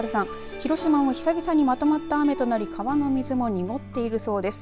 広島も、ひさびさにまとまった雨となり川の水が濁っているそうです。